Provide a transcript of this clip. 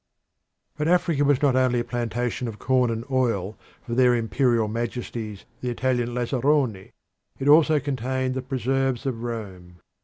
But Africa was not only a plantation of corn and oil for their imperial majesties the Italian lazzaroni. It also contained the preserves of Rome.